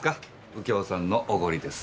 右京さんのおごりです。